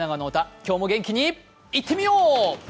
今日も元気にいってみよう！